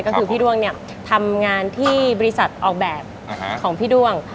ก็คือพี่ด้วงเนี่ยทำงานที่บริษัทออกแบบของพี่ด้วง